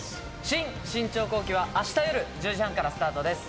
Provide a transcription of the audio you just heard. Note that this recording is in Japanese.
『新・信長公記』は明日夜１０時半からスタートです。